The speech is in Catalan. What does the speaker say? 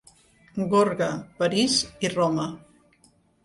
Gorga, París i Roma.